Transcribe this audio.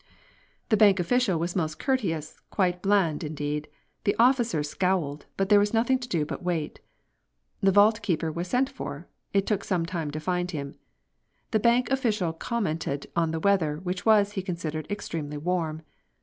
The bank official was most courteous, quite bland, indeed. The officer scowled, but there was nothing to do but wait. The vault keeper was sent for. It took some time to find him. The bank official commented on the weather, which was, he considered, extremely warm.